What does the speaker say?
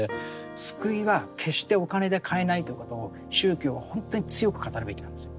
救いは決してお金で買えないということを宗教は本当に強く語るべきなんですよ。